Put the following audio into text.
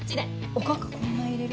おかかこんな入れる？